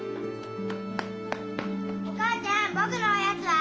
お母ちゃん僕のおやつは？